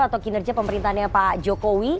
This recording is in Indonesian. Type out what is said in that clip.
atau kinerja pemerintahnya pak jokowi